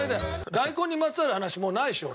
大根にまつわる話もうないし俺。